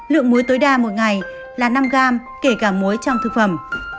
lượng muối tối đa một ngày là năm gram kể cả muối trong thực phẩm